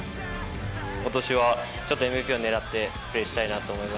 ことしはちょっとＭＶＰをねらってプレーしたいなと思います。